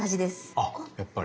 あやっぱり。